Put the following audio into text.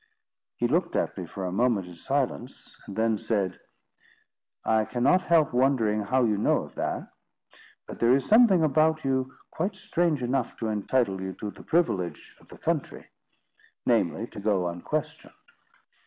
He looked at me for a moment in silence, and then said— "I cannot help wondering how you know of that; but there is something about you quite strange enough to entitle you to the privilege of the country; namely, to go unquestioned.